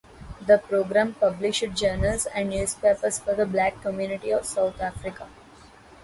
The programme published journals and newspapers for the Black community of South Africa.